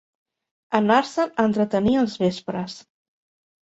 Anar-se'n a entretenir els vespres